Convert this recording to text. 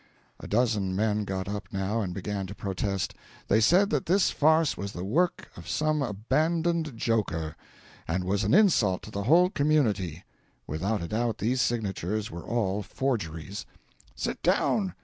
A dozen men got up now and began to protest. They said that this farce was the work of some abandoned joker, and was an insult to the whole community. Without a doubt these signatures were all forgeries "Sit down!